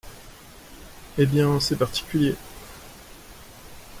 Eh bien, c’est particulier…